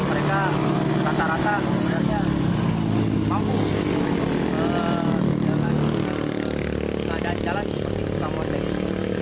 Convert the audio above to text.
mereka rata rata sebenarnya mampu menjalankan keadaan jalan seperti di kampung ini